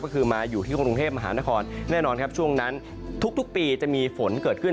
ก็คือมาอยู่ที่กรุงเทพมหานครแน่นอนครับช่วงนั้นทุกปีจะมีฝนเกิดขึ้น